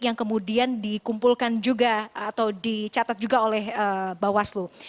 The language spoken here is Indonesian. yang kemudian dikumpulkan juga atau dicatat juga oleh bawaslu